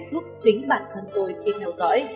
giúp chính bản thân tôi khi theo dõi